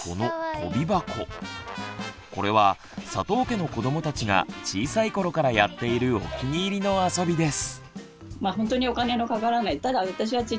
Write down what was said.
これは佐藤家の子どもたちが小さい頃からやっているお気に入りの遊びです。